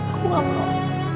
aku gak mau